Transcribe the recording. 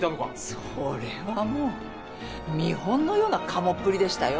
それはもう見本のようなカモっぷりでしたよ。